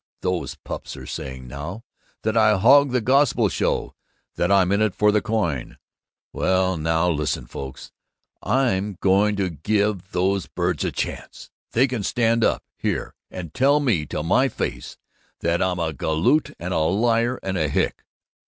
Those pups are saying now that I hog the gospel show, that I'm in it for the coin. Well, now listen, folks! I'm going to give those birds a chance! They can stand right up here and tell me to my face that I'm a galoot and a liar and a hick!